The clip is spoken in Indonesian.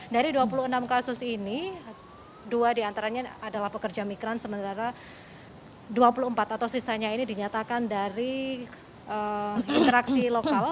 dari dua puluh enam kasus ini dua diantaranya adalah pekerja migran sementara dua puluh empat atau sisanya ini dinyatakan dari interaksi lokal